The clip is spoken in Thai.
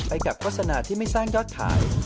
กับโฆษณาที่ไม่สร้างยอดขาย